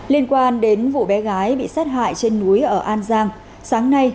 liên quan đến vụ bé gái bị sát hại trên núi ở an giang sáng nay